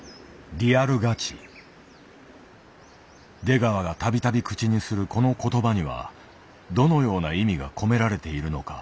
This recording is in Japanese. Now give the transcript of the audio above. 出川が度々口にするこの言葉にはどのような意味が込められているのか。